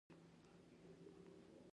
الوتکه د وخت پروا نه لري.